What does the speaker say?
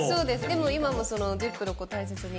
でも今もそのジップロックを大切に。